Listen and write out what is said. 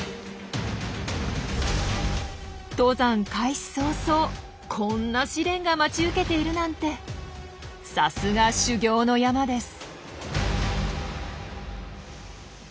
登山開始早々こんな試練が待ち受けているなんてさすが修行の山です。